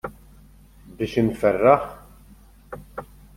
Biex inferraħ?